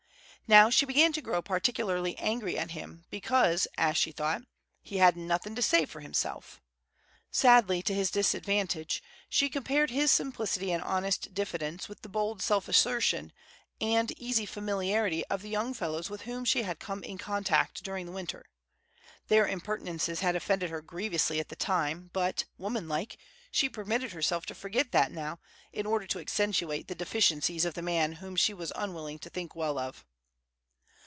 Now she began to grow particularly angry at him because, as she thought, "he hadn't nothing to say fer himself." Sadly to his disadvantage, she compared his simplicity and honest diffidence with the bold self assertion and easy familiarity of the young fellows with whom she had come in contact during the winter. Their impertinences had offended her grievously at the time, but, woman like, she permitted herself to forget that now, in order to accentuate the deficiencies of the man whom she was unwilling to think well of.